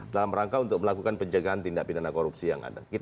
dalam rangka untuk melakukan penjagaan tindak pidana korupsi yang ada